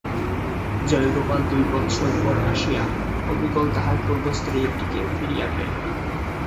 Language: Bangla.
জয়গোপাল দুই বৎসর পরে আসিয়া অবিকল তাহার পূর্ব স্ত্রীটিকে ফিরিয়া পাইল না।